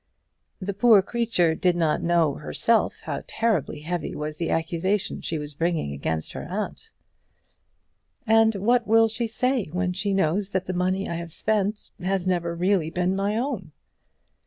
The poor creature did not know herself how terribly heavy was the accusation she was bringing against her aunt. "And what will she say when she knows that the money I have spent has never really been my own?"